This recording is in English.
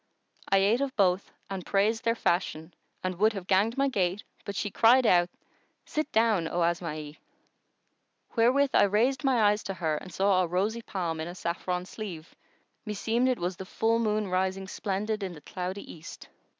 I ate of both and praised their fashion and would have ganged my gait; but she cried out, 'Sit down, O Asma'i!' Wherewith I raised my eyes to her and saw a rosy palm in a saffron sleeve, meseemed it was the full moon rising splendid in the cloudy East.